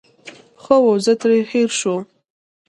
ښه وو، زه ترې هېر شوم.